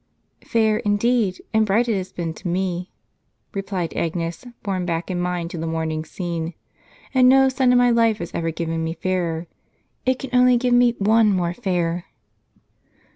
" Fair, indeed, and bright it has been to me," replied Agnes, borne back in mind to the morning's scene ;" and no sun in my life has ever given me fairer, — it can only give me 07ie more fair."